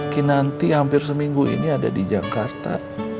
kinanti hampir seminggu ini ada di jakarta